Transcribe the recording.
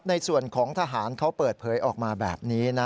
ในส่วนของทหารเขาเปิดเผยออกมาแบบนี้นะ